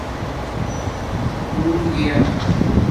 تݸن گیا